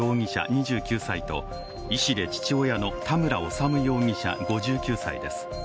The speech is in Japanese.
２９歳と医師で父親の田村修容疑者５９歳です。